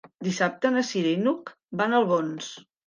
Dissabte na Cira i n'Hug van a Albons.